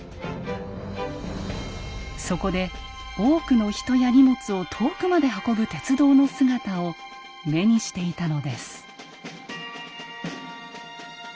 そこで多くの人や荷物を遠くまで運ぶ鉄道の姿を目にしていたのです。